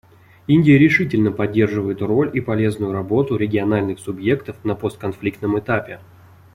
Индия решительно поддерживает роль и полезную работу региональных субъектов на постконфликтном этапе.